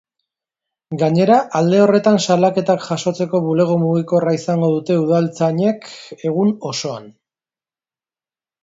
Gainera, alde horretan salaketak jasotzeko bulego mugikorra izango dute udaltzainek egun osoan.